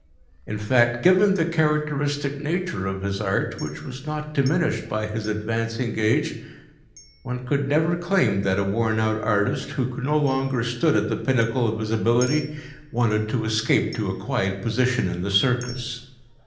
In fact, given the characteristic nature of his art, which was not diminished by his advancing age, one could never claim that a worn out artist, who no longer stood at the pinnacle of his ability, wanted to escape to a quiet position in the circus.